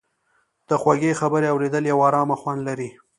د خوږې خبرې اورېدل یو ارامه خوند لري.